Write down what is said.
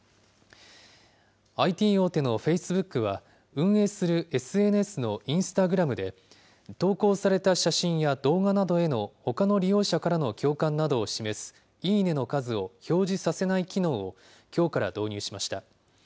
ＩＴ大手のフェイスブックは、運営するＳＮＳのインスタグラムで、投稿された写真や動画などへのほかの利用者からの共感などを示すいいね！の数を表示させない機能をきょうから導入しました。